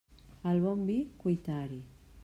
Al bon vi, cuitar-hi.